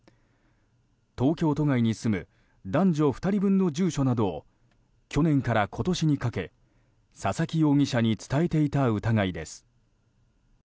東京都外に住む男女２人分の住所などを去年から今年にかけ佐々木容疑者に伝えていた疑いです。